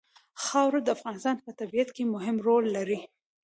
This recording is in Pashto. خاوره د افغانستان په طبیعت کې مهم رول لري.